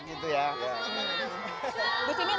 kita bisa sambil jalan